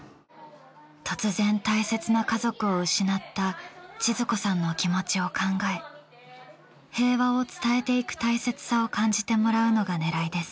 突然大切な家族を失ったちづ子さんの気持ちを考え平和を伝えていく大切さを感じてもらうのが狙いです。